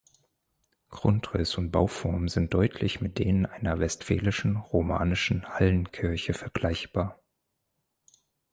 Grundriss und Bauform sind deutlich mit denen einer westfälischen romanischen Hallenkirche vergleichbar.